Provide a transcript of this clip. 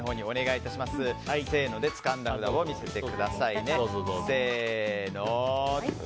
せーのでつかんだのを見せてください。